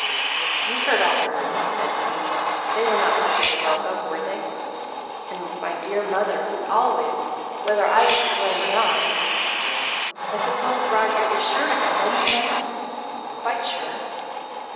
"You heard all the words he said to me; they were not much of a welcome, were they? And my dear mother, who always whether I was to blame or not I suppose Roger is sure to come home to night?" "Quite sure."